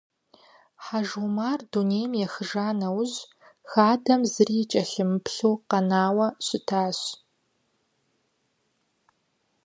Хьэжумар дунейм ехыжа нэужь, хадэм зыри кӏэлъымыплъу къэнауэ щытащ.